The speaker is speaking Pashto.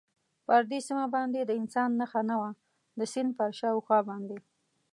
پر دې سیمه باندې د انسان نښه نه وه، د سیند پر شاوخوا باندې.